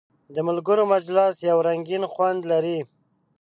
د ملګرو مجلس یو رنګین خوند لري.